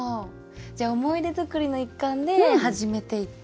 じゃあ思い出作りの一環で始めていって。